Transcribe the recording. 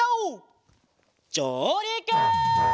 じょうりく！